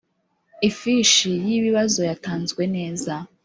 ifishi y'ibibazo yatanzwe neza.